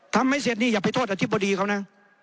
ไม่เสร็จนี่อย่าไปโทษอธิบดีเขานะ